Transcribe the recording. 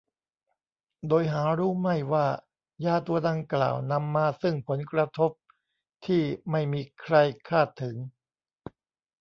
โดยหารู้ไม่ว่ายาตัวดังกล่าวนำมาซึ่งผลกระทบที่ไม่มีใครคาดถึง